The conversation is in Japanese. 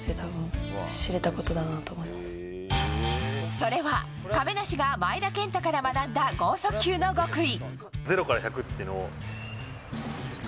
それは亀梨が前田健太から学んだ豪速球の極意。